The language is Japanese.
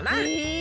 え！